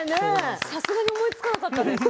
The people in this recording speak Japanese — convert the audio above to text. さすがに思いつかなかった。